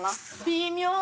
微妙！